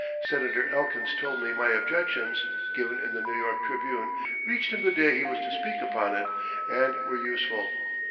Senator Elkins told me my objections, given in the "New York Tribune," reached him the day he was to speak upon it, and were useful.